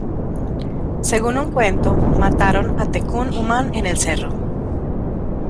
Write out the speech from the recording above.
Según un cuento, mataron a Tecún Umán en el cerro.